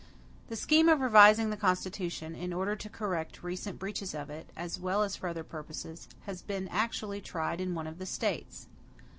The scheme of revising the constitution, in order to correct recent breaches of it, as well as for other purposes, has been actually tried in one of the States.